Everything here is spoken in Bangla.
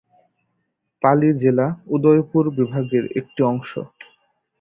পালি জেলা উদয়পুর বিভাগের একটি অংশ।